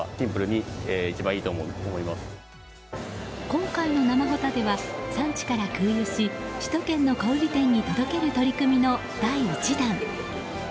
今回の生ホタテは産地から空輸し首都圏の小売店に届ける取り組みの第１弾。